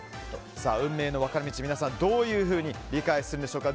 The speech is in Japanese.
運命の分かれ道、どういうふうに理解するんでしょうか。